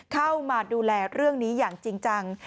เข้ามาดูแลเรื่องนี้อย่างจริงจัง